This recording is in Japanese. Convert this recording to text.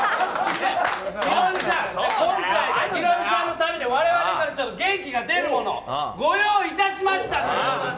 ヒロミさん、ヒロミさんのためにわれわれが元気が出るもの、ご用意いたしました。